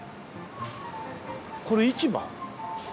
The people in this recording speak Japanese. これ市場？